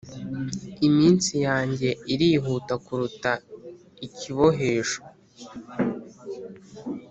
iminsi yanjye irihuta kuruta ikibohesho